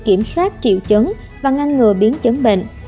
kiểm soát triệu chấn và ngăn ngừa biến chấn bệnh